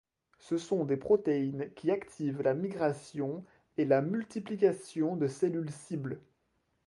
Ce sont des protéines qui activent la migration et la multiplication de cellules cibles.